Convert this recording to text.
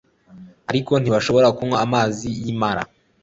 ariko ntibashobora kunywa amazi y i Mara